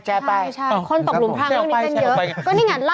ใช่คนตกหลุมพลังเรื่องนี้เป็นเยอะ